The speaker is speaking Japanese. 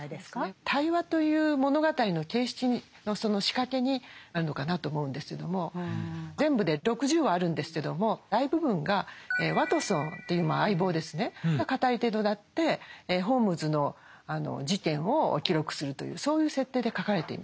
「対話」という物語の形式にその仕掛けにあるのかなと思うんですけども全部で６０話あるんですけども大部分がワトソンという相棒ですねが語り手となってホームズの事件を記録するというそういう設定で書かれています。